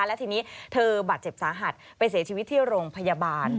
และทีนี้เธอบาดเจ็บสาหัสไปเสียชีวิตที่โรงพยาบาล